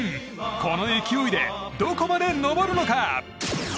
この勢いでどこまで上るのか？